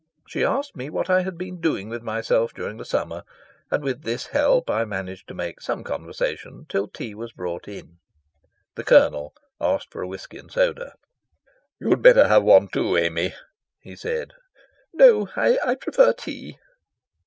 She asked me what I had been doing with myself during the summer, and with this help I managed to make some conversation till tea was brought in. The Colonel asked for a whisky and soda. "You'd better have one too, Amy," he said. "No; I prefer tea."